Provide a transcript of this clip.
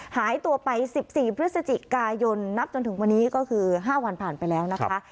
หายตัวไป๑๔พฤศจิกายนนับจนถึงวันนี้ก็คือ๕วันผ่านไปแล้วนะคะ